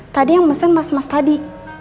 tadi yang pesen mas mas tadi